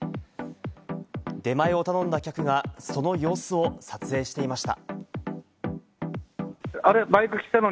出前を頼んだ客がその様子を撮影していました。